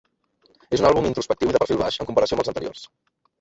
És un àlbum introspectiu i de perfil baix en comparació amb els anteriors.